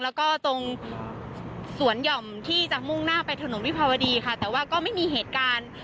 แล้วก็ตรงสวนหย่อมที่จะมุ่งหน้าไปถนนวิภาวดีค่ะแต่ว่าก็ไม่มีเหตุการณ์